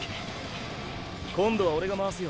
今度はオレが回すよ